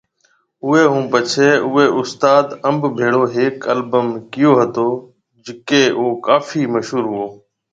اوئي ھونپڇي اوئي استاد انب ڀيڙو ھيَََڪ البم ڪيئو ھتو جڪي او ڪافي مشھور ھوئو